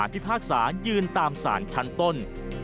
พิพากษายืนตามสารชั้นต้น